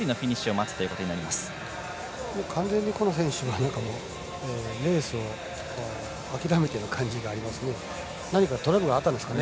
完全にレースを諦めてる感じがありますね。